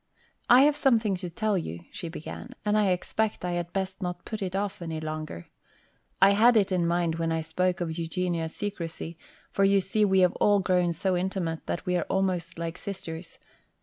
"I have something to tell you," she began, "and I expect I had best not put it off any longer. I had it in mind when I spoke of Eugenia's secrecy, for you see we have all grown so intimate that we are almost like sisters.